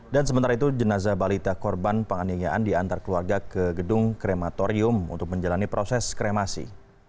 dan sementara itu jenazah balita korban penganjayaan diantar keluarga ke gedung krematorium untuk menjalani proses kremasi